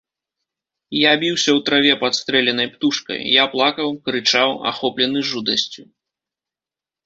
Я біўся ў траве падстрэленай птушкай, я плакаў, крычаў, ахоплены жудасцю.